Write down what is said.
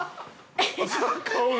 ◆顔が。